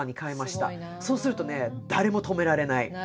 そうするとね誰も止められない私を。